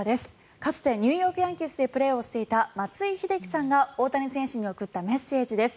かつてニューヨーク・ヤンキースでプレーしていた松井秀喜さんが大谷選手に送ったメッセージです。